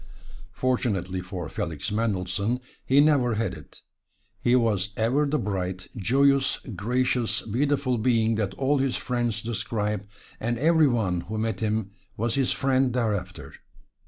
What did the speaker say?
Fortunately for Felix Mendelssohn he never had it he was ever the bright, joyous, gracious, beautiful being that all his friends describe, and every one who met him was his friend thereafter.